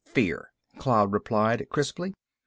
"Fear," Cloud replied, crisply.